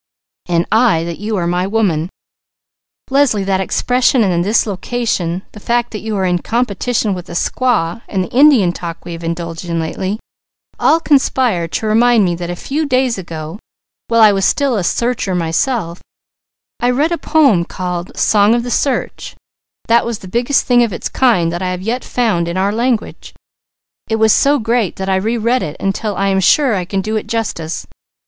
"And I, that you are my woman. Leslie, that expression and this location, the fact that you are in competition with a squaw and the Indian talk we have indulged in lately, all conspire to remind me that a few days ago, while I was still a 'searcher' myself, I read a poem called 'Song of the Search' that was the biggest thing of its kind that I have yet found in our language. It was so great that I reread it until I am sure I can do it justice.